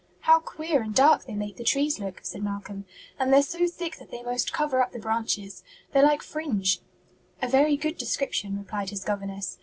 "How queer and dark they make the trees look!" said Malcolm; "and they're so thick that they 'most cover up the branches. They're like fringe." "A very good description," replied his governess.